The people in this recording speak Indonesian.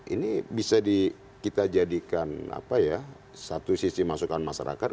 ini bisa kita jadikan satu sisi masukan masyarakat